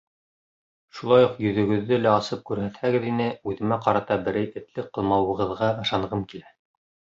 Шулай уҡ йөҙөгөҙҙө лә асып күрһәтһәгеҙ ине, үҙемә ҡарата берәй этлек ҡылмауығыҙға ышанғым килә.